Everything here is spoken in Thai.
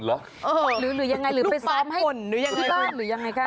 หรือยังไงหรือไปซ้อมให้ที่บ้านหรือยังไงครับ